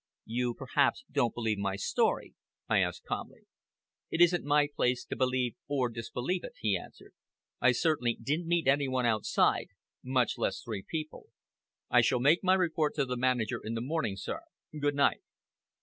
"You perhaps don't believe my story?" I asked calmly. "It isn't my place to believe or disbelieve it," he answered. "I certainly didn't meet any one outside much less three people. I shall make my report to the manager in the morning, sir! Good night."